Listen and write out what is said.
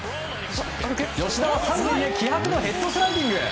吉田は３塁へ気迫のヘッドスライディング。